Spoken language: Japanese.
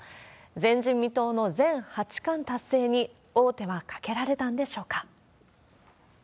前人未到の全八冠達成に、王手はかけられたんでしょうか。